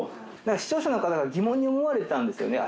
視聴者の方が疑問に思われたんですよね。